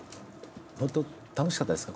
本当楽しかったですか？